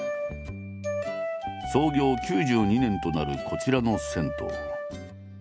創業９２年となるこちらの銭湯。